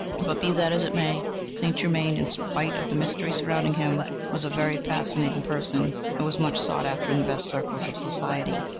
But be that as it may, St. Germain, in spite of the mystery surrounding him, was a very fascinating person, and was much sought after in the best circles of society.